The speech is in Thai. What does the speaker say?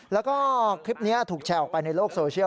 แล้วก็คลิปนี้ถูกแชร์ออกไปในโลกโซเชียล